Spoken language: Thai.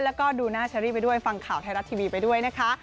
แล้วก็ดูหน้าเชอรี่ไปด้วยฟังข่าวไทยรัฐทีวีไปด้วยนะคะ